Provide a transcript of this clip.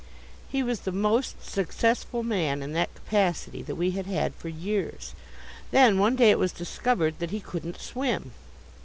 He was the most successful man in that capacity that we had had for years. Then one day it was discovered that he couldn't swim.